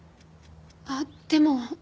あっでも。